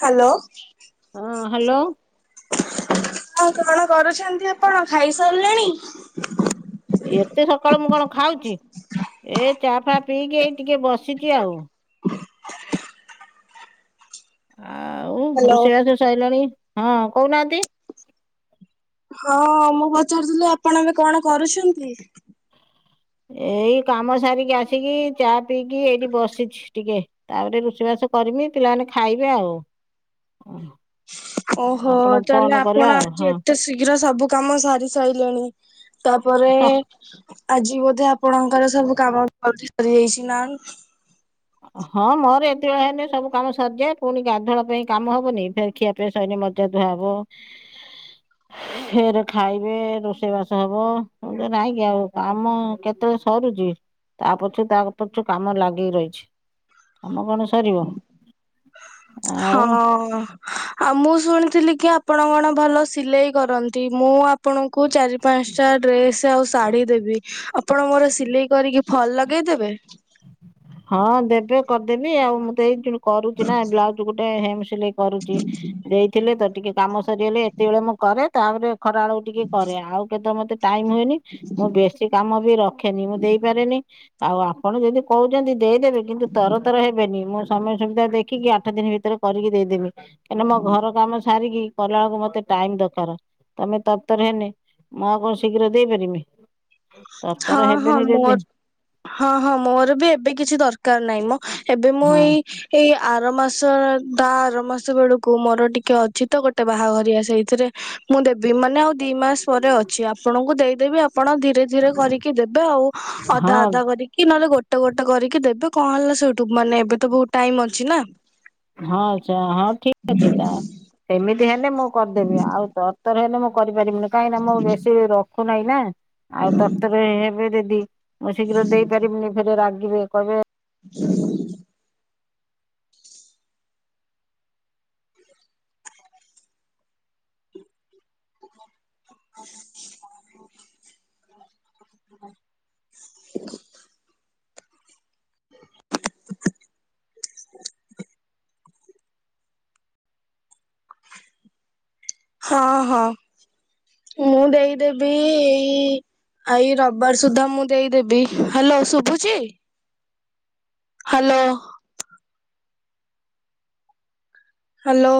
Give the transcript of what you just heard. Hello. ହଁ hello. ଆଉ କଣ କରୁଛନ୍ତି ଆପଣ? ଖାଇ ସାରିଲେଣି? ଏତେ ସକାଳୁ ମୁଁ କଣ ଖାଉଛି? ଏ ଚା ଫା ପିଇକି ଏଇ ଟିକେ ବସିଛି ଆଉ ଆଉ, ହ୍ୟାଲୋ। ରୋଷେଇବାସ ସାରିଲାଣି? ହଁ କହୁନାହାନ୍ତି। ହଁ ମୁଁ ପଚାରୁଥିଲି ଆପଣ ଏବେ କଣ କରୁଛନ୍ତି? ଏଇ କାମ ସାରିକି ଆସିକି ଚା ପିଇକି ଏଇଠି ବସିଛି ଟିକେ ତାପରେ ରୋଷେଇବାସ କରମି, ପିଲାମାନେ ଖାଇବେ ଆଉ ହଁ [unintelligible] ଓହୋ, ଆପଣ ତାହେଲେ ଫୋନ କଲେ ଆପଣ ଆଉ ଆଜି ହଁ ଏତେ ଶୀଘ୍ର ସବୁ କାମ ସାରି ସାରିଲେଣି, ତାପରେ ଆଜି ବୋଧେ ଆପଣଙ୍କର ସବୁ କାମ ଜି ସରି ଯାଇଛି ନା ହଁ, ମୋର ଏତେବେଳେ ହେଇନି ସବୁ କାମ ସରିଯାଏ, ପୁଣି ଗାଧୁଆ ପାଇଁ କାମ ହବନି ଫ ଖିଆ ପିଇ ସରି ମଜାଧୁଆ ହବ। ଫେର ଖାଇବେ, ରୋଷେଇବାସ ହବ, ଏଟ ନାଇଁ କି ଆଉ କାମ କେତେ? ସରୁଛି, ତା ପଛୁ, ତା ପଛୁ, କାମ ଲାଗିକି ରହିଛି। ଆମ କଣ ସରିବ? ଆଉ ହଁ, ଆଉ ମୁଁ ଶୁଣିଥିଲି କି? ଆପଣ କଣ ଭଲ ସିଲେଇ କରନ୍ତି, ମୁଁ ଆପଣଙ୍କୁ ଚାରି ପାଞ୍ଚଟା ଡ୍ରେସ ଆଉ ଶାଢ଼ି ଦେବି ଆପଣ ମୋର ସିଲେଇ କରିକି ଫଲ ଲଗେଇଦେବେ? ହଁ ଦେବେ କରିଦେବି ଆଉ ମୁଁ ତ ଏଇ ଯୋଉ କରୁଛି ନା ବ୍ଲାଉଜ ଗୋଟେ ହେମ ସିଲେଇ କରୁଛି, ଦେଇଥିଲେ ତ, ଟିକେ କାମ ସରିଗଲେ ଏତେବେଳେ ମୁଁ କରେ। ତାପରେ ଖରାବେଳକୁ ଟିକେ କରେ ଆଉ କେତେ ମତେ ଟାଇମ ହୁଏନି, ମୁଁ ବେଶୀ କାମ ବି ରଖେନି, ମୁଁ ଦେଇପାରେନି ଆଉ ଆପଣ ଯଦି କହୁଛନ୍ତି ଦେଇଦେବେ କିନ୍ତୁ ତର ତର ହେବେନି, ମୁଁ ସମୟ ସୁବିଧା ଦେଖିକି, ଆଠ ଦିନ ଭିତରେ କରିକି ଦେଇଦେବି। କାଁନା ମୋ ଘର କାମ ସାରିକି କଲା ବେଳକୁ ମତେ ଟାଇମ ଦରକାର, ତମେ ତରତର ହେନେ, ମୁଁ ଆଉ କଣ ଶୀଘ୍ର ଦେଇପାରିବି। ତରତର ହଁ, ହଁ, ହେବେନି ଯଦି ମୋର, ହଁ ହଁ ମୋର ବି ଏବେ କିଛି ଦରକାର ନାହିଁ ମ, ଏବେ ମୁଁ ହଁ ଏଇ ଏଇ ଆର ମାସ ଆର ମାସ ବେଳକୁ ମୋର ଟିକେ ଅଛି ତ ଗୋଟେ ବାହାଘରି ଆ ସେଇ ଏଥିରେ ମୁଁ ଦେବି ମାନେ ଆଉ ଦି ମାସ ପରେ ଅଛି, ଆପଣଙ୍କୁ ଦେଇଦେବି ଆପଣ ଧୀରେ ଧୀରେ କରିକି ଦେବେ ଆଉ ଅଧା ହଁ ଅଧା କରିକି ନହେଲେ ଗୋଟେ ଗୋଟେ ଗୋଟେ କରିକି ଦେବେ, କଣ ହେଲା ସେଇଠୁ, ମାନେ ଏବେ ତ ବହୁତ ଟାଇମ ଅଛି ନା। ହଁ ଆ, ହଁ ଠିକ ଅଛି ତା ସେମିତି ହେଲେ ମୁଁ କରିଦେବି ଆଉ, ତର ତର ହେଲେ ମୁଁ କରିପାରିବିନି, କାହିଁକି ନା ମୁଁ ବେଶୀ ରଖୁନାହିଁ ନା। ଆଉ ତକ୍ତର ହେବେ ଯଦି, ମୁଁ ଶୀଘ୍ର ଦେଇପାରିବିନି, ଫେରେ ରାଗିବେ, କହିବେ ହ [unintelligible] [unintelligible] ହ [unintelligible] [unintelligible] ହଁ, ହଁ, ମୁଁ ଦେଇଦେବି ଏଇ ଆଇ ରବିବାର ସୁଧା ମୁଁ ଦେଇଦେବି, ହାଲୋ ଶୁଭୁଛି। ହାଲୋ। ହାଲୋ।